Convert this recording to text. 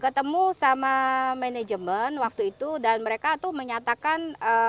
ketemu sama manajemen waktu itu dan mereka tuh menyatakan